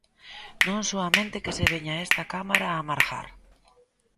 Non soamente que se veña a esta Cámara a amagar.